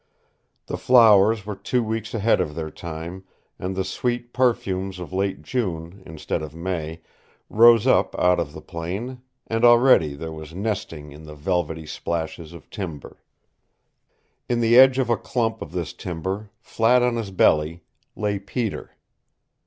The flowers were two weeks ahead of their time and the sweet perfumes of late June, instead of May, rose up out of the plain, and already there was nesting in the velvety splashes of timber. In the edge of a clump of this timber, flat on his belly, lay Peter.